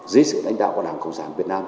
dưới sự lãnh đạo của đảng cộng sản việt nam